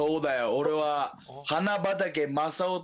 俺は。